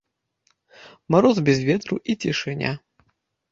Мароз без ветру, і цішыня.